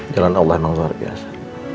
jalan allah memang luar biasa